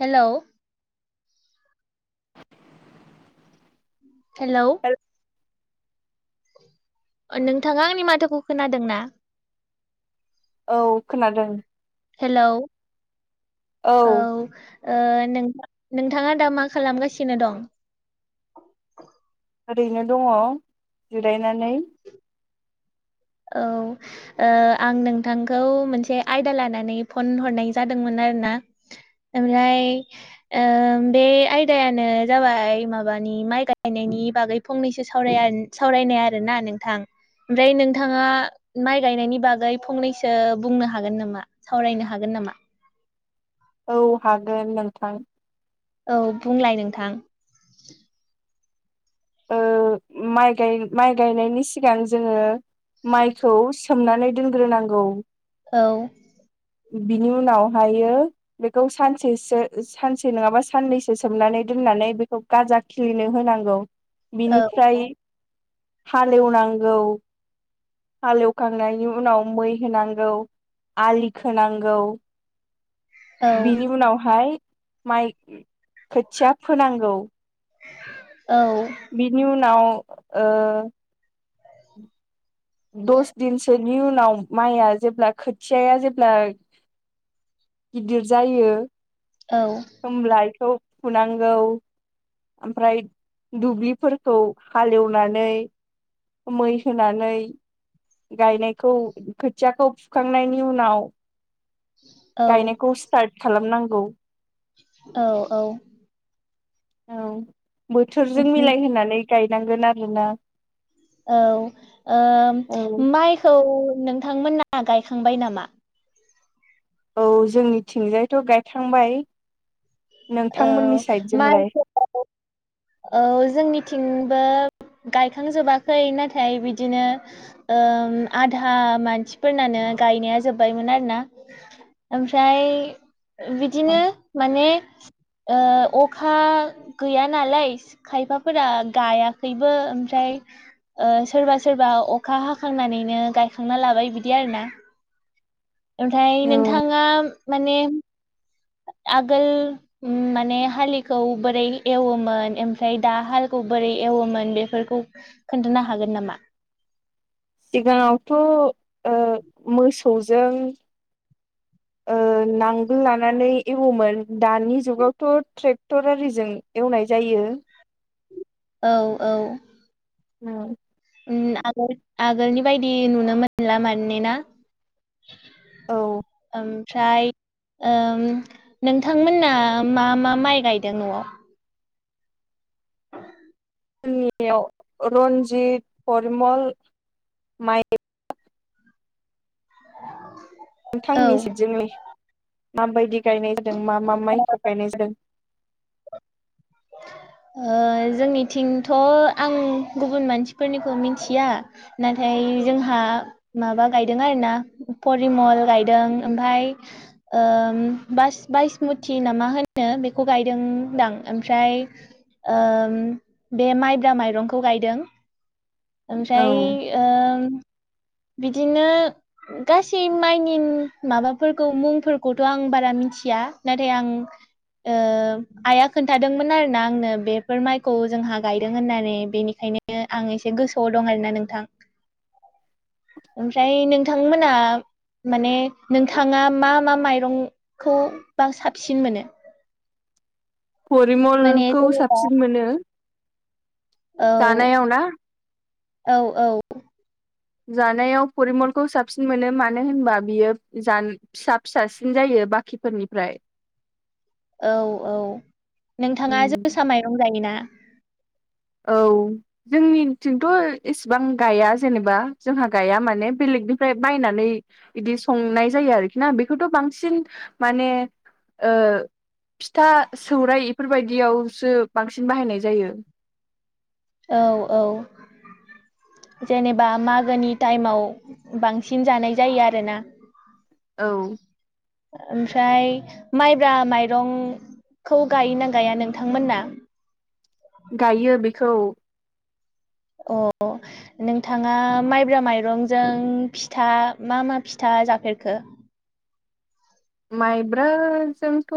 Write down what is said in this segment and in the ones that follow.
हेल' hello. ह नोंथाङा आंनि माथोखौ खोनादों ना? औ खोनादों। हेलौ औ नोंथां नोंथाङा दा मा खालामगासिनो दं? ओरैनो दङ जिरायनानै। औ ओ आं नोंथांखौ मोनसे आयदा लानानै फन हरनाय जादोंमोन आरो ना ओमफ्राय ओ बे आयदायानो जाबाय माबानि माइ गायनायनि बागै फंनैसो सावराय सावरायनाय आरोना नोंथां ओमफ्राय नों नोंथाङा माइ गायनायनि बागै फंनैसो बुंनो हागोन नामा सावरायनो हागोन नामा? औ हागोन नोंथां औ बुंलाय नोंथां ओ माइ माइ गायनायनि सिगां जोङो माइखौ सोमनानै दोनग्रोनांगौ औ बिनि उनावहायो बेखौ सानसेसो सानसे नङाबा साननैसो सोमनानै दोननानै बेखौ गाजा खिलिनो होनांगौ औ औ बिनिफ्राय हाल एवनांगौ हाल एवखांनायनि उनाव मै होनांगौ आलि खोनांगौ औ बिनि उनावहाय माइ खोथिया फोनांगौ औ बिनि उनाव ओ दस दिनसोनि उनाव माइआ जेब्ला खोथियाया जेब्ला गिदिर जायो औ होमब्ला बेखौ फुनांगौ ओमफ्राय दुब्लिफोरखौ हाल एवनानै मै होनानै गायनायखौ खोथियाखौ फुखांनायनि उनाव औ गायनायखौ स्टार्ट खालामनांगौ औ औ औ बोथोरजों उम, मिलाय होनोनानै गायनांगोन आरोना औ ओ औ माइखौ नोंथांमोना गायखांबाय नामा? औ जोंनिथिंजायथ' गायखांबाय नोंथांमोननि साइदजोंलाय? माइखौ औ औ जोंनिथिंबो गायखांजोबाखै नाथाय बिदिनो ओ आधा मानसिफोरनानो गायनाया जोबबायमोन आर ना ओमफ्राय बिदिनो माने ओ अखा गैया नालाय खायफाफोरा गायाखैबो ओमफ्राय ओ सोरबा सोरबा अखा हाखांनानैनो गायखांना लाबाय बिदि आरोना ओमफ्राय औ नोंथाङा माने आगोल ओम माने हालिखौ बोरै एवोमोन ओमफ्राय दा हालखौ बोरै एवोमोन बेफोरखौ खोनथानो हागोन नामा? सिगाङावथ' ओ मोसौजों [unintelligible] ओ नांगोल लानानै एवोमोन दानि जुगावथ' ट्रेक्टर आरिजों एवनाय जायो औ औ ओम ओम आगोल आगोलनि बायदि नुनो मोनला मान ना? औ ओमफ्राय ओम नोंथांमोना मा मा माइ गायदों न'आव? जोंनियाव रन्जित परिमल माइ औ नोंथांनि सिबजंनि माबायदि गायनाय जादों मा मा माइखौ गायनाय जादों जोंनिथिंथ' आं गुबुन मानसिफोरनिखौ मिथिया नाथाय जोंहा माबा गायदों आरो ना परिमल गायदों ओमफाय बास बास्मुथि ना मा होनो बेखौ गायदोंदां ओमफ्राय बे माइब्रा माइरंखौ गायदों औ ओमफ्राय बिदिनो गासै माइनि माबाफोरखौ मुंफोरखौथ' आं बारा मिथिया नाथाय आं आइया खोन्थादोंमोन आरोना आंनो बेफोर माइखौ जोंहा गायदों होननानै बेनिखायनो आं एसे गोसोआव दं आरोना नोंथां ओमफ्राय नोंथांमोना माने नोंथाङा मा मा माइरंखौ बा साबसिन मोनो माने फरिमलखौ जेनेबा साबसिन मोनो जानायाव औ ना औ औ जानायाव फरिमलखौ साबसिन मोनो मानो होनबा बियो जा फिसा फिसासिन जायो बाखिफोरनिफ्राय औ औ नोंथाङा उम जोसा माइरं जायोना औ जोंनिथिंथ' इसेबां गाया जेनेबा जोंहा गाया माने बेलेगनिफ्राय बायनानै बिदि संनाय जायो आरोखि ना बेखौथ' बांसिन माने फिथा सौराइ बेफोरबायदियावसो बांसिन बाहायनाय जायो औ औ जेनेबा मागोनि टाइमाव बांसिन जानाय जायो आरोना औ ओमफ्राय माइब्रा माइरंखौ गायों ना गाया नोंथांमोना गायो बेखौ अ नोंथाङा माइब्रा माइरंजों फिथा मा मा फिथा जाफेरखो माइब्राजोंथ'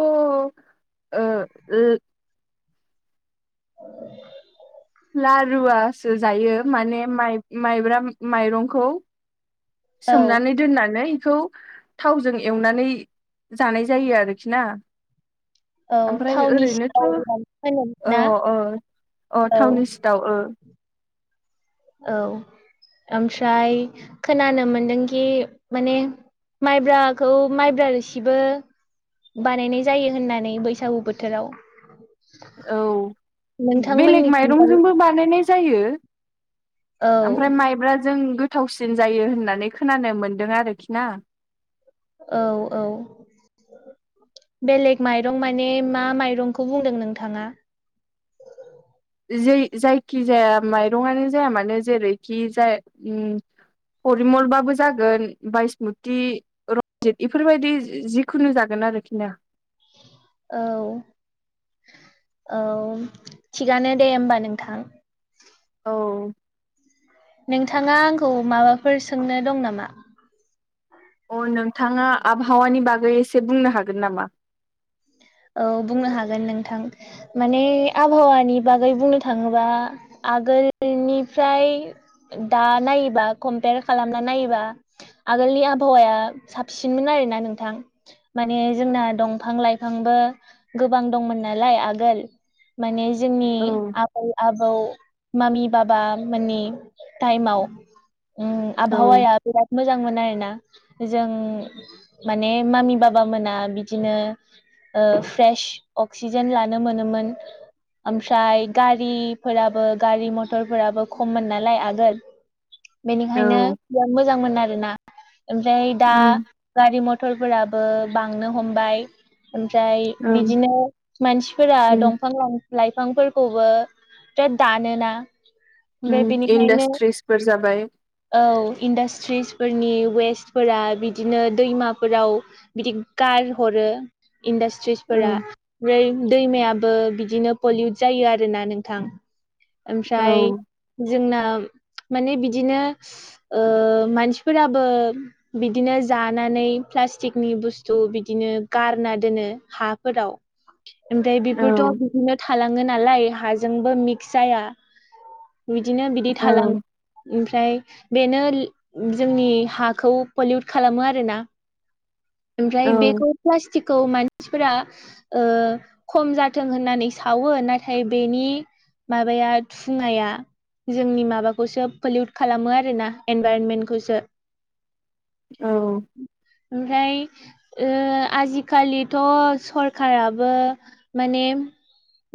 [unintelligible] लाारुवासो जायो माने माइब्रा माइरंखौ औ सोमनानै दोननानै बेखौ थावजों एवनानै जानाय जायो आरोखि ना औ ओमफ्राय थावनि ओरैनोथ' सिथाव होनोमोन ना अ औ थउननि सि थाव ओ औ ओमफ्राय खोनानो मोनदोंखि माने माइब्राखौ माइब्रा रो सिबो बानायनाय जायो होननानै बैसागु बोथोराव औ बेलेग नोंथांमोननिथिंजाय माइरंजोंबो बानायनाय जायो औ ओमफ्राय माइब्राजों गोथावसिन जायो होननानै खोनानो मोन्दों आरोखि ना औ औ बेलेग माइरं माने मा माइरंखौ बुंदों नोंथाङा जायखि जाया माइरंङानो जाया मानो जेरैखि जाय फरिमलबाबो जागोन बायसमुति रनजित इफोरबायदि जिखुनु जागोन आरोखि ना औ औ थिगानो दे होमबा नोंथां औ नोंथाङा आंखौ माबाफोर सोंनो दं नामा अ नोंथाङा आबहावानि बागै एसे बुंनो हागोन नामा औ बुंनो हागोन नोंथां माने आबहावानि बागै बुंनो थाङोबा आगोलनिफ्राय दा नायोबा कम्पयार खालामना नायोबा आगोलनि आबहावाया साबसिनमोन आरोना नोंथां माने जोंना दंफां लाइ फांबो गोबां दंमोन नालाय आगोल माने जोंनि औ आब आब ओ मामि बाबा मानि टाइमाव औ आबहावाया बिराद मोजां मोन आरोना जों माने मामि बाबामोना बिदिनो ओ फ्रेश अक्सिजेन लानो मोनोमोन ओमफ्राय गारिफोराबो गारि मथरफोराबो खममोन नालाय आगोल बेनिखायनो औ बिराद मोजांमोन आरोना ओमफ्राय दा उम गारि मथरफोराबो बांनो हमबाय ओमफ्राय ओं बिदिनो मानसिफोरा दंफां लाइ लाइफांफोरखौबो बिराद दानोना ओमफ्राय उम बेनिखायनो इन्डास्ट्रिसफोर जाबाय औ इन्डास्ट्रिसफोरनि वेस्टफोरा बिदिनो दैमाफोराव बिदि गारहरो औ इन्डास्ट्रिसफोरा ओमफ्राय दैमायाबो बिदिनो पलिउट जायो आरोना नोंथां औ ओमफ्राय जोंना माने बिदिनो मानसिफोराबो बिदिनो जानानै प्लास्टिकनि बुस्थु बिदिनो गारना दोनो हाफोराव ओमफ्राय बेफोरथ' औ बिदिनो थालाङो नालाय हाजोंबो मिक्स जाया बिदिनो बिदि थालाङो ओमफ्राय बेनो जोंनि हाखौ पलिउट खालामो आरोना औ ओमफ्राय बेखौ प्लास्टिकखौ मानसिफोरा ओ खम जाथों होननानै सावो नाथाय बेनि माबाया थुंङाया जोंनि माबाखौसो पलिउट खालामो आरोना इनभरनमेन्टखौसो औ ओमफ्राय ओ आजिखालिथ' सरखाराबो माने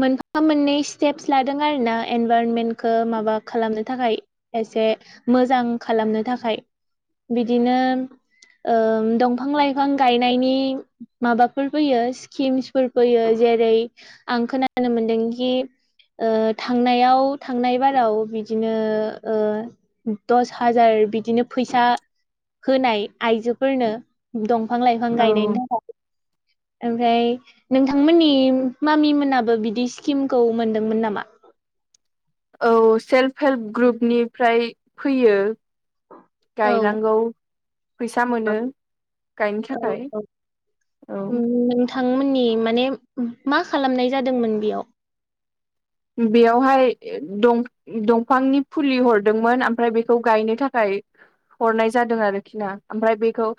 मोनफा मोननै स्टेपस लादों आरोना एनभारनमेन्टखौ माबा खालामनो थाखाय एसे मोजां खालामनो थाखाय बिदिनो दंफां लाइफां गायनायनि माबाफोर फैयो स्किम्सफोर फैयो जेरै आं खोनानो मोनदोंखि ओ थांनायाव थांनाय बाराव बिदिनो ओ दस हाजार बिदिनो फैसा होनाय आइजोफोरनो दं फां लाइफां गायनायनि औ थाखाय ओमफ्राय नोंथांमोननि मामि मोनाबो बिदि स्किमखौ मोनदोंमोन नामा औ सेल्फ हेल्प ग्रुपनिफ्राय फैयो औ गायनांगौ फैसा औ मोनो गायनो थाखाय औ बिथांमोननि माने मा खालामनाय जादोंमोन बेयाव बेयावहाय दं दंफांनि फुलि हरदोंमोन ओमफ्राय बेखौ गायनो थाखाय हरनाय जादों आरोखि ना ओमफ्राय बेखौ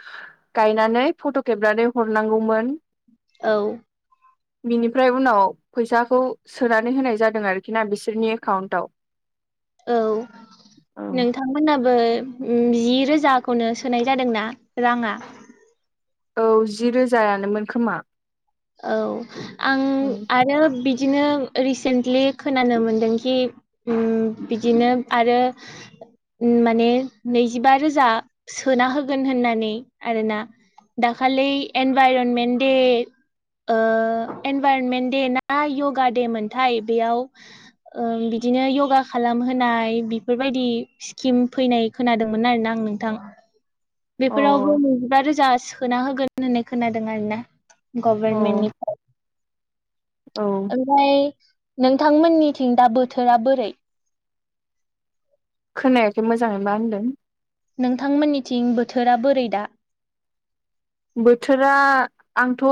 गायनानै फट' खेबनानै हरनांगौमोन औ बिनिफ्राय उनाव फैसाखौ सोनानै होनाय जादों आरोखि ना बिसोरनि एकाउन्टाव। औ औ नोंथां नोंथमोनहाबो जि रोजाखौनो सोनाय जादों ना राङा? औ जि रोजायानोमोन खोमा? औ आं औ आरो बिदिनो रिसेन्टलि खोनानो मोनदोंखि उम बिदिनो आरो माने नैजिबा रोजा सोना होगोन होननानै आरोना। दाखालि एनभाइरनमेन्ट दे ओ इनभाइरनमेन्ट दे ना य'गा दे मोनथाय बेयाव बिदिनो य'गा खालामहोनाय बेफोरबायदि स्किम फैनाय खोनादोंमोन आरोना आं नोंथां। औ बेफोरावबो नैजिबा रोजा सोना होगोन होननानै खोनादों आरोना। अ गभर्नमेन्टनि औ ओमफ्राय नोंथांमोननिथिं दा बोथोरा बोरै? खोनायाखै मोजाङै मा होनदों? नोंथांमोननिथिं बोथोरा बोरै दा? बोथोरा आंथ'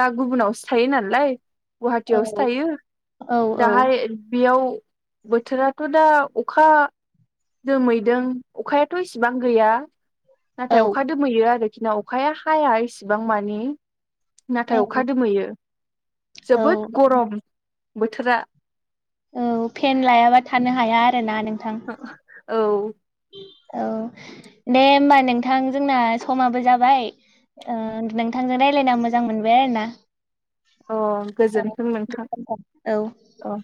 दा गुबुनावसो थायो नालाय। औ गुवाहाटियावसो थायो औ औ दाहाय बेयाव बोथोराथ' दा अखा दोमहैदों अखायाथ' इसिबां गैया नाथाय औ अखा दोमै दोमैयो आरोखि ना अखाया हाया इसिबां मानि औ नाथाय अखा दोमैयो। औ जोबोद गरम बोथोरा। औ फेन लायाबा थानो हाया आरो ना नोंथां। औ औ दे होमबा नोंथां जोंना समाबो जाबाय। नोंथांजों राय्लायना मोजां मोनबाय आरो ना। अ गोजोन्थों नोंथां औ अ